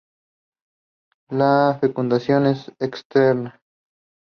La fecundación es externa.